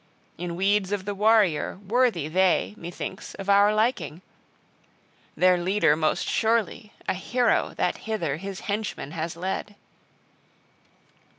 In weeds of the warrior worthy they, methinks, of our liking; their leader most surely, a hero that hither his henchmen has led."